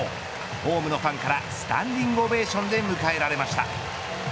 ホームのファンからスタンディングオベーションで迎えられました。